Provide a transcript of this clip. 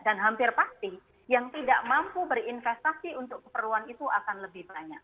dan hampir pasti yang tidak mampu berinvestasi untuk keperluan itu akan lebih banyak